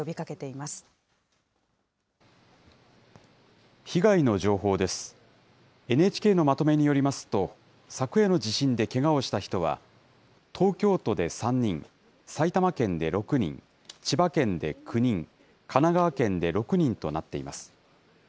ＮＨＫのまとめによりますと、昨夜の地震でけがをした人は、東京都で３人、埼玉県で６人、千葉県で９人、神奈川県で６人となっています。